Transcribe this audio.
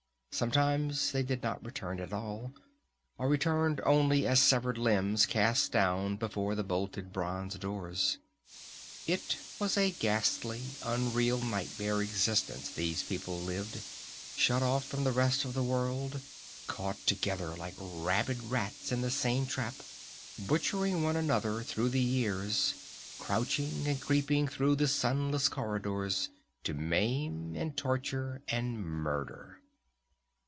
Sometimes they did not return at all, or returned only as severed limbs cast down before the bolted bronze doors. It was a ghastly, unreal nightmare existence these people lived, shut off from the rest of the world, caught together like rabid rats in the same trap, butchering one another through the years, crouching and creeping through the sunless corridors to maim and torture and murder.